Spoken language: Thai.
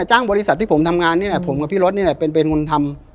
จ้างบริษัทที่ผมทำงานนี่แหละผมกับพี่รถนี่แหละเป็นคนทำ